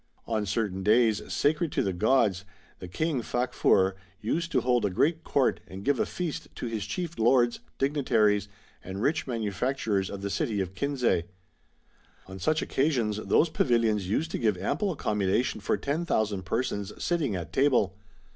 On certain days, sacred to his gods, the King Facfur * used to hold a great court and give a feast to his chief lords, dignitaries, and rich manufacturers of the city of Kinsay. On such occasions those pavilions used to give ample accommodation for 10,000 persons sitting at table.